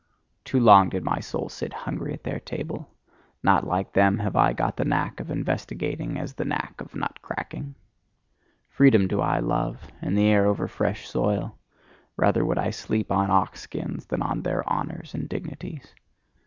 Too long did my soul sit hungry at their table: not like them have I got the knack of investigating, as the knack of nut cracking. Freedom do I love, and the air over fresh soil; rather would I sleep on ox skins than on their honours and dignities.